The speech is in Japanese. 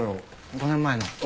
５年前の。